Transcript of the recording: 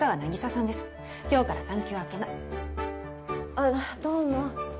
あっどうも。